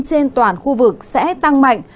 trên toàn khu vực sẽ tăng mạnh